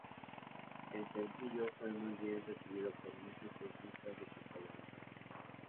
El sencillo fue muy bien recibido por múltiples listas de popularidad.